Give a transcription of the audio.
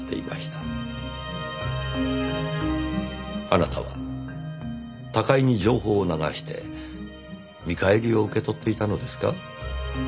あなたは高井に情報を流して見返りを受け取っていたのですか？